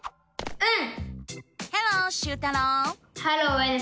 うん！